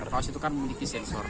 kaos itu kan memiliki sensor